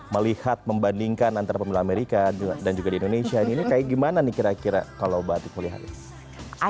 melihat membandingkan antara pemilu amerika dan juga di indonesia ini kayak gimana nih kira kira kalau mbak tif melihat ini